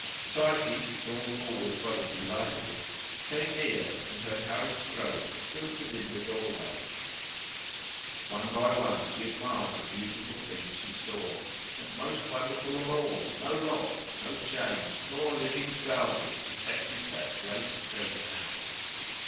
Psyche, drawn forward by the delight of it, came near, and, her courage growing, stood within the doorway. One by one, she admired the beautiful things she saw; and, most wonderful of all! no lock, no chain, nor living guardian protected that great treasure house.